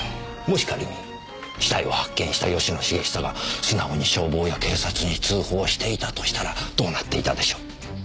もし仮に死体を発見した吉野茂久が素直に消防や警察に通報していたとしたらどうなっていたでしょう？